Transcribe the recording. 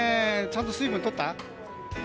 ちゃんと水分とった？